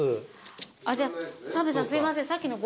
じゃあ澤部さんすいません。